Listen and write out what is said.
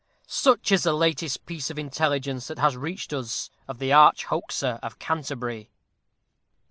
Such is the latest piece of intelligence that has reached us of the Arch hoaxer of Canterbury!